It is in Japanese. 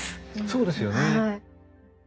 そうですよね。